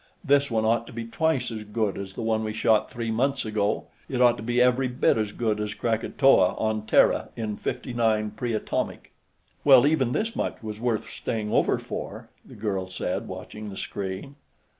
This one ought to be twice as good as the one we shot three months ago; it ought to be every bit as good as Krakatoa, on Terra, in 59 Pre Atomic." "Well, even this much was worth staying over for," the girl said, watching the screen.